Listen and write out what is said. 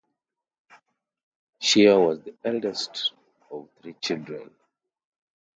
Sheree was the eldest of three children.